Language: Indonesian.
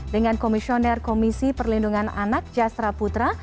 dengan komisioner komisi perlindungan anak jasra putra